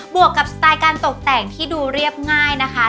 วกกับสไตล์การตกแต่งที่ดูเรียบง่ายนะคะ